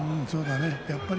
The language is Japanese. そうだよね